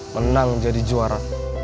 menang jadi juara